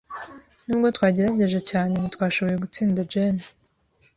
Nubwo twagerageje cyane, ntitwashoboye gutsinda Jane.